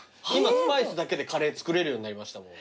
今スパイスだけでカレー作れるようになりました。